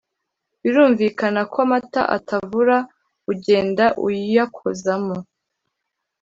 birumvikana ko amata atavura ugenda uyakozamo